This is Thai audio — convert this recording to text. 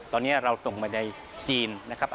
ตอนนี้เราส่งมาในจีนนะครับ